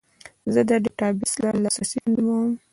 زه د ډیټابیس لاسرسی تنظیموم.